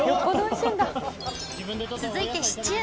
［続いてシチュー］